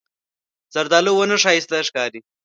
زردالو ونه ښایسته ښکاري.